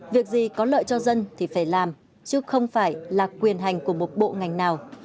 việc gì có lợi cho dân thì phải làm chứ không phải là quyền hành của một bộ ngành nào